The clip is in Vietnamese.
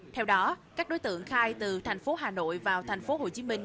theo đó các đối tượng khai từ thành phố hà nội vào thành phố hồ chí minh